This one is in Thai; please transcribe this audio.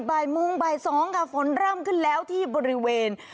บ่ายโมงบ่าย๒ค่ะฝนเริ่มขึ้นแล้วที่บริเวณ